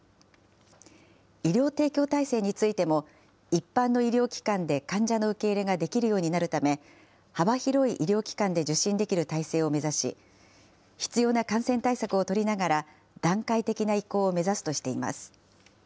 医療提供体制についても、一般の医療機関で患者の受け入れができるようになるため、幅広い医療機関で受診できる体制を目指し、必要な感染対策を取りながら、段階的な移行を目指すとしています。